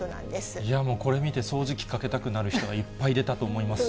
いやもう、これ見て、掃除機かけたくなる人がいっぱい出たと思いますし。